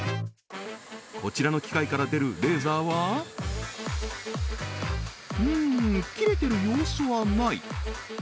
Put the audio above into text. こちらの機械から出るレーザーはうーん切れてる様子はない